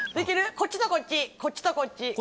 こっちとこっちこっちとこっちあ